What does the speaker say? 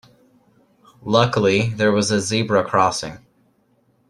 Luckily there was a zebra crossing.